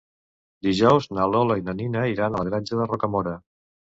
Dijous na Lola i na Nina iran a la Granja de Rocamora.